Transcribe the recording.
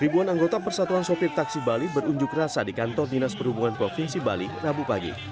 ribuan anggota persatuan sopir taksi bali berunjuk rasa di kantor dinas perhubungan provinsi bali rabu pagi